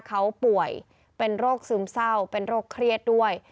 เขาป่วยเป็นโรคซึมเศร้าเป็นโรคเครียดด้วย